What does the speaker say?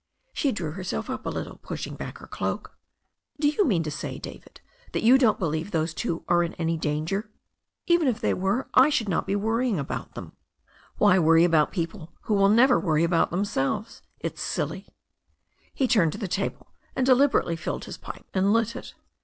She drew herself up a little, pushing back her cloak. "Do you mean to say, David, that you don't believe those two are in any danger?" 'Even if they were I should not be worrying aboMt ^^tqu «i 328 THE STORY OF A NEW ZEALAND RIVER Why worry about people who will never worry about them selves? It's silly." He turned to the table, and deliberately filled his pipe and lit it.